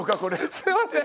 すいません。